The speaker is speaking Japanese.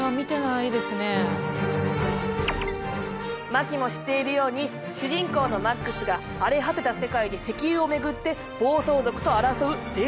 麻貴も知っているように主人公のマックスが荒れ果てた世界で石油を巡って暴走族と争う伝説の映画。